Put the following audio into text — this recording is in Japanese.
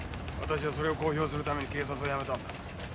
私はそれを公表するために警察を辞めたんだ。